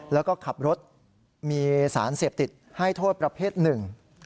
แล้วก็ขับรถมีสารเสพติดให้โทษประเภทหนึ่ง